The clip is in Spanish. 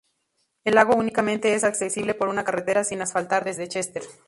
El lago únicamente es accesible por una carretera sin asfaltar desde Chester.